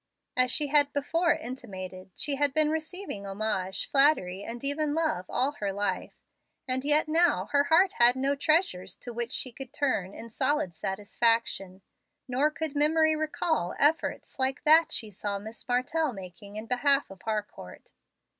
As she had before intimated, she had been receiving homage, flattery, and even love, all her life, and yet now her heart had no treasures to which she could turn in solid satisfaction, nor could memory recall efforts like that she saw Miss Martell making in behalf of Harcourt.